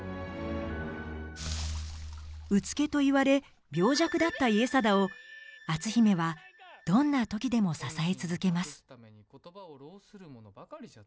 うつけと言われ病弱だった家定を篤姫はどんな時でも支え続けます。